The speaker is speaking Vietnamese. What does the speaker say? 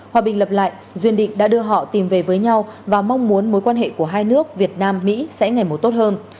hòa bình lập lại duyên định đã đưa họ tìm về với nhau và mong muốn mối quan hệ của hai nước việt nam mỹ sẽ ngày một tốt hơn